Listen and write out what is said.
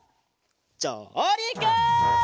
じょうりく！